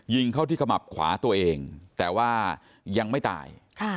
ยิงเข้าที่ขมับขวาตัวเองแต่ว่ายังไม่ตาย